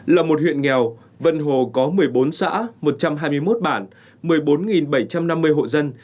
là một huyện nghèo vân hồ có một mươi bốn xã một trăm hai mươi một bản một mươi bốn bảy trăm năm mươi hộ dân